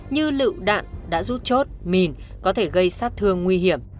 như lựu đạn đã rút chốt mìn có thể gây sát thương nguy hiểm